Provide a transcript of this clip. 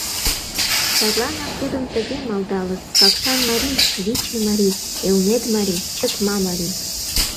Садланак тудым тыге малдалыт: Какшан марий, Виче марий, Элнет марий, Чыкма марий...